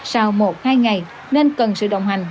sau một hai ngày nên cần sự đồng hành